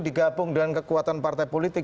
digabung dengan kekuatan partai politik